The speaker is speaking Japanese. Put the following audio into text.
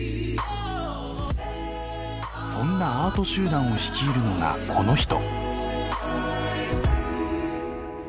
そんなアート集団を率いるのがこの人。